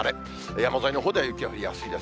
山沿いのほうでは雪は降りやすいです。